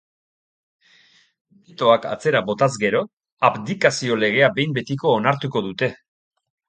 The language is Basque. Betoak atzera botaz gero, abdikazio legea behin betiko onartuko dute.